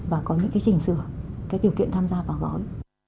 và có những trình sửa các điều kiện tham gia vào gói